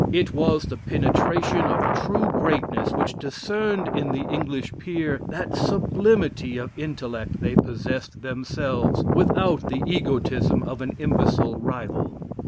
It was the penetration of true greatness which discerned in the English peer that sublimity of intellect they possessed themselves, without the egotism of an imbecile rival.